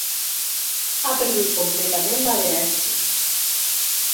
Ha perdut completament l'adherència.